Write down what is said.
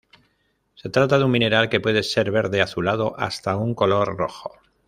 Se trata de un mineral que puede ser verde azulado hasta un color rojo.